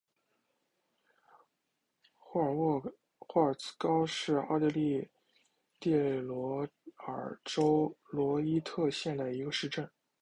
霍尔茨高是奥地利蒂罗尔州罗伊特县的一个市镇。